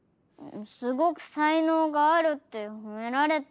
すごくさいのうがあるってほめられた。